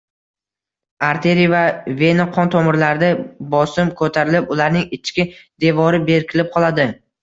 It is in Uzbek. Arteriya va vena qon tomirlarida bosim ko‘tarilib, ularning ichki devori bekilib qoladi